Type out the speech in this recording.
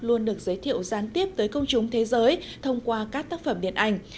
luôn được giới thiệu gián tiếp tới công chúng thế giới thông qua các tác phẩm điện ảnh